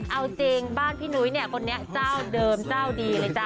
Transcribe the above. เอาจริงบ้านพี่หนุ๊ยคนนี้เจ้าเดิมเจ้าดีเลยค่ะ